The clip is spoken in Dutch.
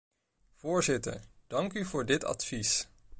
Voorzitter, dank u ook voor dit advies.